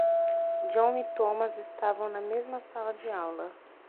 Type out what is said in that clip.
John e Thomas estavam na mesma sala de aula.